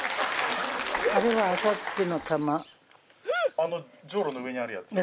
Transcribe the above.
あのジョウロの上にあるやつ？